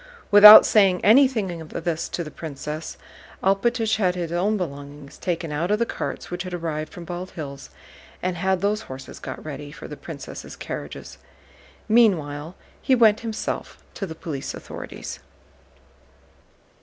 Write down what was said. Without saying anything of this to the princess, Alpátych had his own belongings taken out of the carts which had arrived from Bald Hills and had those horses got ready for the princess' carriages. Meanwhile he went himself to the police authorities.